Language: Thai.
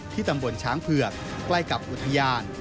ตำบลช้างเผือกใกล้กับอุทยาน